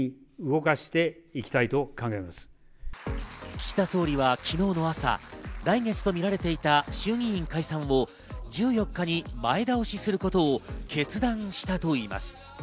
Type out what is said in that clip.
岸田総理は昨日の朝、来月とみられていた衆議院解散を１４日に前倒しすることを決断したといいます。